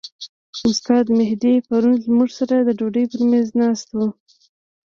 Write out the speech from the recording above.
استاد مهدي پرون موږ سره د ډوډۍ پر میز ناست و.